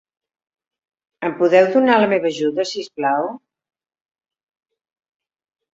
Em podeu donar la meva ajuda, si us plau?